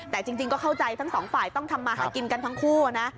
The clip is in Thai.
แต่จริงก็เข้าใจทั้งสองฝ่ายต้องทำมาหากินกันทั้งคู่นะ